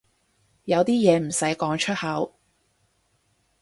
有啲嘢唔使講出口